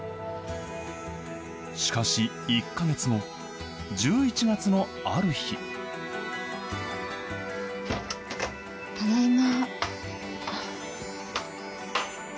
しかし１か月後１１月のある日ただいま。